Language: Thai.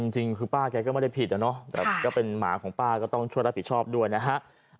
จริงคือป้าแกก็ไม่ได้ผิดอะเนาะก็เป็นหมาของป้าก็ต้องช่วยรับผิดชอบด้วยนะฮะ